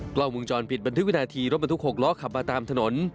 กล้องวงจรปิดบันทึกวินาทีรถบรรทุก๖ล้อขับมาตามถนน